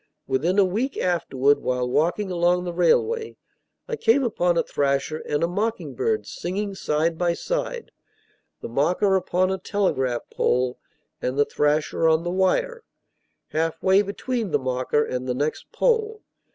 Within a week afterward, while walking along the railway, I came upon a thrasher and a mocking bird singing side by side; the mocker upon a telegraph pole, and the thrasher on the wire, halfway between the mocker and the next pole.